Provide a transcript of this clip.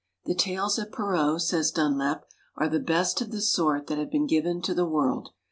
' The tales of Perrault,' says Dunlop, ' are the best of the sort that have been given to the world.